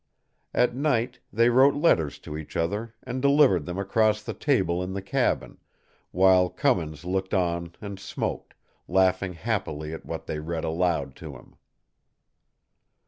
At night they wrote letters to each other and delivered them across the table in the cabin, while Cummins looked on and smoked, laughing happily at what they read aloud to him.